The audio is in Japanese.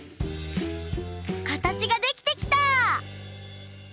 かたちができてきた！